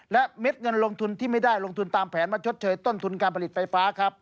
และเม็ดเงินลงทุนที่ไม่ได้ลงทุนตามแผนมาชดเชยต้นทุนการผลิตไฟฟ้าครับ